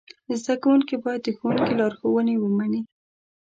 زده کوونکي باید د ښوونکي لارښوونې ومني.